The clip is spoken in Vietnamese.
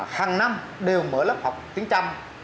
hàng năm đều mở lớp học tiếng trăm